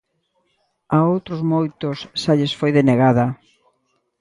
A outros moitos xa lles foi denegada.